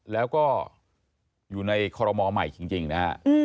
แล้วก็อยู่ในคอลโมะใหม่จริงนะครับ